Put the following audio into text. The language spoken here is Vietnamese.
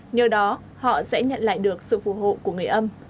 nhờ đó họ sẽ nhận lại được sự phù hộ của người âm